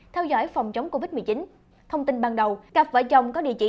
theo dõi phòng chống covid một mươi chín thông tin ban đầu cặp vợ chồng có địa chỉ